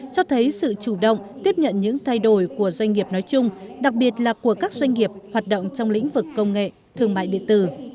cho thấy sự chủ động tiếp nhận những thay đổi của doanh nghiệp nói chung đặc biệt là của các doanh nghiệp hoạt động trong lĩnh vực công nghệ thương mại điện tử